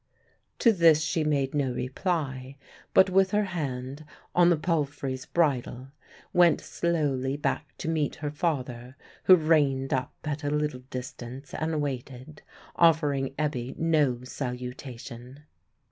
To this she made no reply, but with her hand on the palfrey's bridle went slowly back to meet her father, who reined up at a little distance and waited, offering Ebbe no salutation.